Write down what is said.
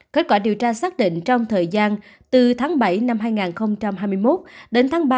kết quả điều tra xác định trong thời gian từ tháng bảy năm hai nghìn hai mươi một đến tháng ba